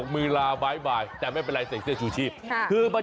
มากันเทียบ